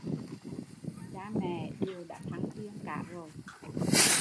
Cha mẹ đều đã thăng thiên cả rồi